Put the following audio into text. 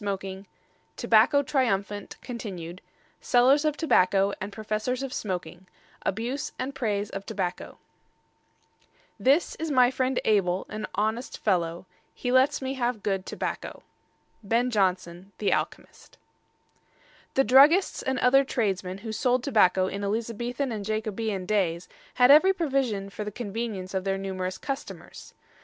III TOBACCO TRIUMPHANT (continued) SELLERS OF TOBACCO AND PROFESSORS OF SMOKING ABUSE AND PRAISE OF TOBACCO This is my friend Abel, an honest fellow; He lets me have good tobacco. BEN JONSON, The Alchemist. The druggists and other tradesmen who sold tobacco in Elizabethan and Jacobean days had every provision for the convenience of their numerous customers.